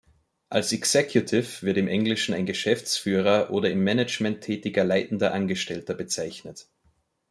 Als "executive" wird im Englischen ein Geschäftsführer oder im Management tätiger leitender Angestellter bezeichnet.